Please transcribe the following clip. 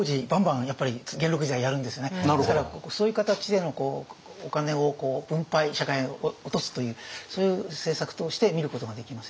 ですからそういう形でのお金を分配社会に落とすというそういう政策として見ることができますよね。